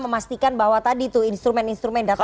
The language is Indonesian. memastikan bahwa tadi tuh instrumen instrumen data